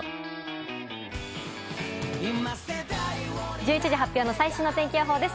１１時発表の最新の天気予報です。